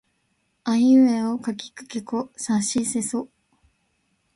あいうえおかきくけこさしせそ